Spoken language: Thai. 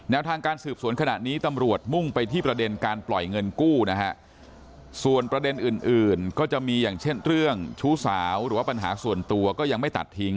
ทางการสืบสวนขณะนี้ตำรวจมุ่งไปที่ประเด็นการปล่อยเงินกู้นะฮะส่วนประเด็นอื่นอื่นก็จะมีอย่างเช่นเรื่องชู้สาวหรือว่าปัญหาส่วนตัวก็ยังไม่ตัดทิ้ง